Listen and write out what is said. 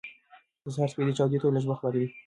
د سهار سپېدې چاودېدو ته لږ وخت پاتې دی.